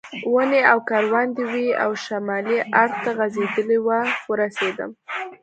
ونې او کروندې وې او شمالي اړخ ته غځېدلې وه ورسېدم.